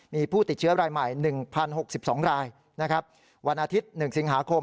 มีผู้ติดเชื้อรายใหม่หนึ่งพันหกสิบสองรายนะครับวันอาทิตย์หนึ่งสิงหาคม